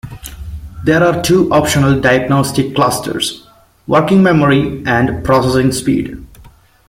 There are also two optional diagnostic clusters: working memory and processing speed.